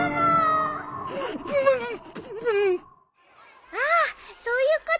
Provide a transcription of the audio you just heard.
ああそういうことなんだ。